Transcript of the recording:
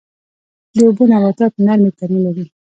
د اوبو نباتات نرمې تنې لري